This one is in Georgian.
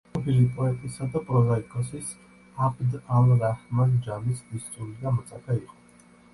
ცნობილი პოეტისა და პროზაიკოსის აბდ ალ-რაჰმან ჯამის დისწული და მოწაფე იყო.